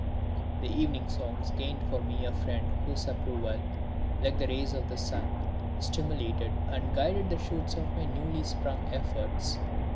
The Evening Songs gained for me a friend whose approval, like the rays of the sun, stimulated and guided the shoots of my newly sprung efforts.